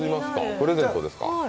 プレゼントですか？